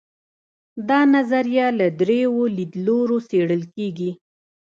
دا نظریه له درېیو لیدلورو څېړل کیږي.